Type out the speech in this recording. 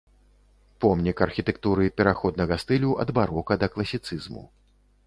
Помнік архітэктуры пераходнага стылю ад барока да класіцызму.